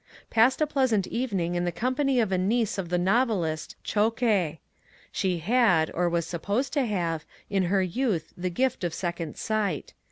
Passed a pleasant evenine in the company of a niece of the novelist Zschokke. She had, or was supposed to have, in her youth the gift of second sight.